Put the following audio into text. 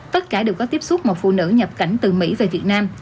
tất cả đều có tiếp xúc một phụ nữ nhập cảnh từ mỹ về việt nam